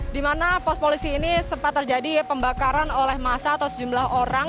di mana pos polisi ini sempat terjadi pembakaran oleh massa atau sejumlah orang